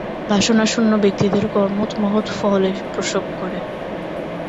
বাসনাশূন্য ব্যক্তিদের কর্মই মহৎ ফল প্রসব করে।